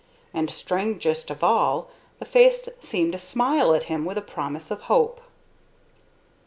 And, strangest of all, the face seemed to smile at him with a promise of hope.